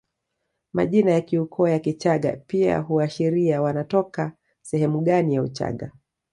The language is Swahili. Majina ya kiukoo ya Kichagga pia huashiria wanatoka sehemu gani ya Uchaga